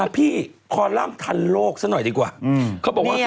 พี่คอลัมทันโลกซะหน่อยดีกว่า